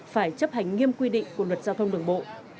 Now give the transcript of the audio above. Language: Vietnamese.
phải chấp hành nghiêm quy định của luật giao thông đường bộ